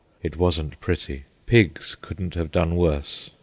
It wasn't pretty. Pigs couldn't have done worse.